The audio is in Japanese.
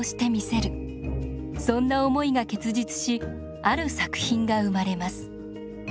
そんな思いが結実しある作品が生まれます。